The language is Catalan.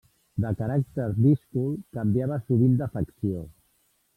De caràcter díscol, canviava sovint d'afecció.